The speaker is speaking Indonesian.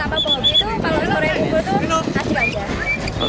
kenapa penghobi itu kalau sore minggu itu